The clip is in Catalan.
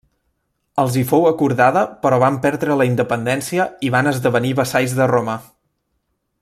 Els hi fou acordada però van perdre la independència i van esdevenir vassalls de Roma.